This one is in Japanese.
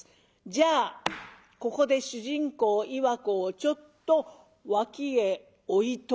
じゃあここで主人公岩子をちょっと脇へ置いといて。